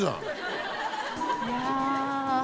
いや。